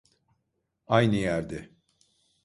Aynı yerde.